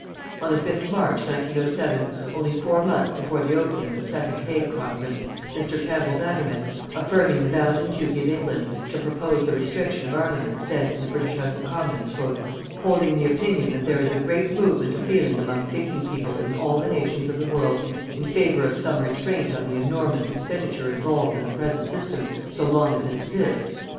On the fifth of March, 1907, only four months before the opening of the Second Hague Conference, Mr. Campbell Bannerman, affirming the bounden duty of England to propose the restriction of armaments, said, in the British House of Commons: "_Holding the opinion that there is a great movement of feeling among thinking people in all the nations of the world, in favor of some restraint on the enormous expenditure involved in the present system so long as it exists....